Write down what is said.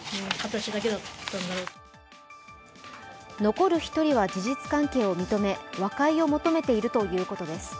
残る１人は事実関係を認め和解を求めているということです。